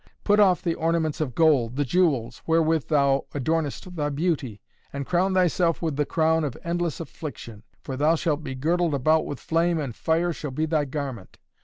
Put off the ornaments of gold, the jewels, wherewith thou adornest thy beauty, and crown thyself with the crown of endless affliction. For thou shalt be girdled about with flame and fire shall be thy garment.